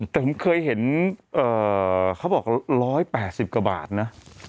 แต่ผมเคยเห็นเขาบอก๑๘๐กว่าบาทนะ